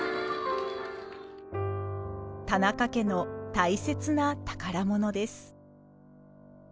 田中家の大切な宝物です。